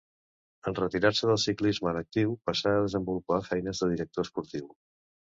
En retirar-se del ciclisme en actiu passà a desenvolupar feines de director esportiu.